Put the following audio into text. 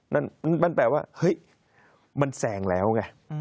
นั่นมันแปลว่าเฮ้ยมันแซงแล้วไง